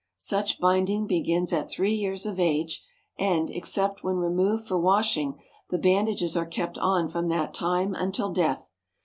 Such binding begins at three years of age, and, except when removed for washing, the bandages are kept on from that time until death.